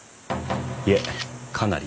いえかなり。